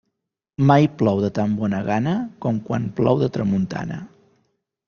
Mai plou de tan bona gana com quan plou de tramuntana.